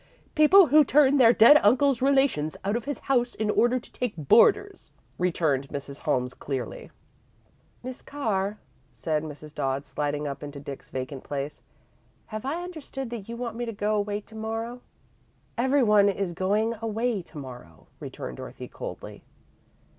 "People who turn their dead uncle's relations out of his house in order to take boarders," returned Mrs. Holmes, clearly. "Mis' Carr," said Mrs. Dodd, sliding up into Dick's vacant place, "have I understood that you want me to go away to morrow?" "Everybody is going away to morrow," returned Dorothy, coldly.